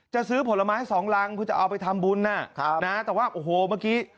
จะซื้อผลไม้สองรังเพื่อจะเอาไปทำบุญแต่ว่าโอ้โหเมื่อกี้